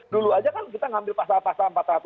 dulu aja kan kita ngambil pasal pasal empat ratus